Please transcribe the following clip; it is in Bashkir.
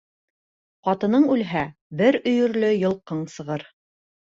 Ҡатының үлһә, бер өйөрлө йылҡың сығыр.